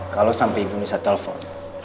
kalau sampai ibu bisa telepon